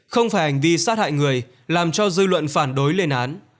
không phải hành vi sát hại người làm cho dư luận phản đối lên án